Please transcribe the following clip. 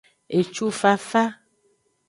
Ecufafa.